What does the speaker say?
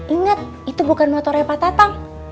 ingat itu bukan motornya pak tatang